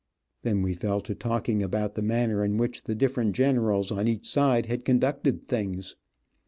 Then we fell to talking about the manner in which the different generals on each side had conducted things.